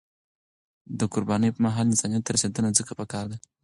د قربانی پر مهال، انسانیت ته رسیدنه ځکه پکار ده.